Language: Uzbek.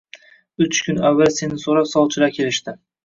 Uch kun avval seni so`rab, sovchilar kelishdi